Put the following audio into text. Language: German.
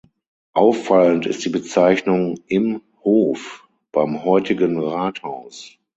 Auffallend ist die Bezeichnung „Im Hof“, beim heutigen Rathaus.